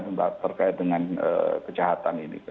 terkait dengan kejahatan ini